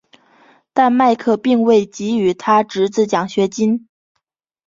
但麦克并未给予他侄子奖学金。